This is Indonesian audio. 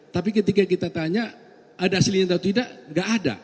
tapi ketika kita tanya ada aslinya atau tidak nggak ada